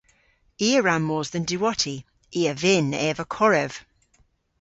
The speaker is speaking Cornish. I a wra mos dhe'n diwotti. I a vynn eva korev.